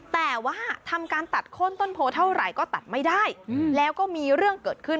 แต่ว่าทำการตัดข้นต้นโพเท่าไหร่ก็ตัดไม่ได้แล้วก็มีเรื่องเกิดขึ้น